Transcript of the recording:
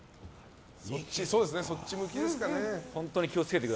そっち向きですかね。